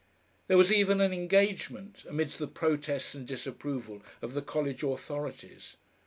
There was even an engagement amidst the protests and disapproval of the college authorities.